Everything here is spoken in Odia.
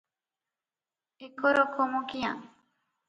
ଏକରକମ କିଆଁ?